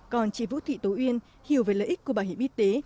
còn chị vũ thị tố uyên hiểu về lợi ích của bảo hiểm y tế